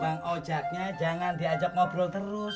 bang ojeknya jangan diajak ngobrol terus